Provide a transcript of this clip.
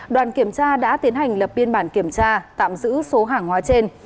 đoàn kiểm tra đã tiến hành lập biên bản kiểm tra tạm giữ số hàng hóa trên